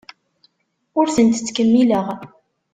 Ur tent-ttkemmileɣ.